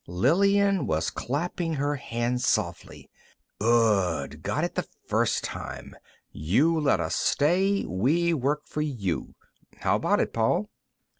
Lillian was clapping her hands softly. "Good; got it the first time. 'You let us stay; we work for you.' How about it, Paul?"